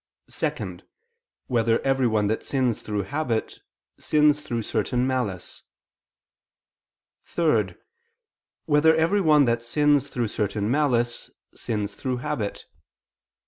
(2) Whether everyone that sins through habit, sins through certain malice? (3) Whether every one that sins through certain malice, sins through habit?